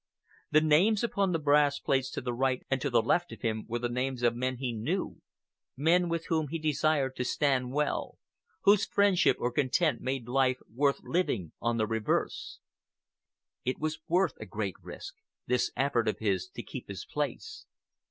The names upon the brass plates to right and to left of him were the names of men he knew, men with whom he desired to stand well, whose friendship or contempt made life worth living or the reverse. It was worth a great risk—this effort of his to keep his place.